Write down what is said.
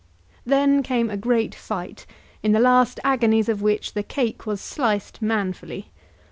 Then came a great fight, in the last agonies of which the cake was sliced manfully.